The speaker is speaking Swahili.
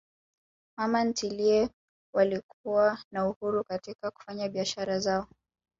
Mama ntilie walikuwa na uhuru katika kufanya biashara zao